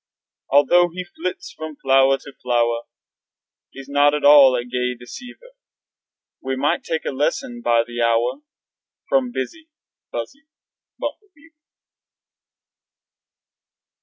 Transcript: Although he flits from flower to flower He's not at all a gay deceiver. We might take lessons by the hour From busy, buzzy Bumblebeaver.